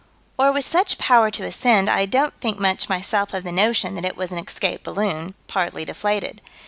Or with such power to ascend, I don't think much myself of the notion that it was an escaped balloon, partly deflated.